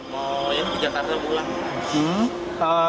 mau ya ke jakarta pulang